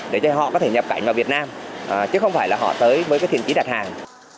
để cho họ có thể nhập cảnh vào việt nam chứ không phải là họ tới với cái thiện trí đặt hàng